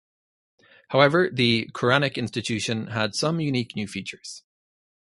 However, the Quranic institution had some unique new features.